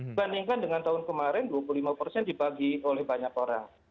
dibandingkan dengan tahun kemarin dua puluh lima persen dibagi oleh banyak orang